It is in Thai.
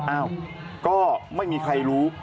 อ้าวก็ไม่มีใครรู้